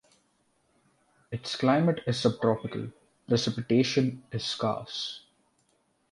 Its climate is subtropical. Precipitation is scarce.